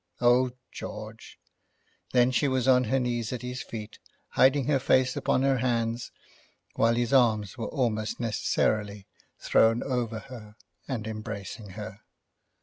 Oh, George!" Then she was on her knees at his feet, hiding her face upon her hands, while his arms were almost necessarily thrown over her and embracing her.